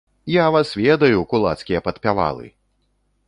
Я вас ведаю, кулацкія падпявалы!